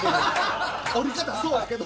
折り方そうやけど。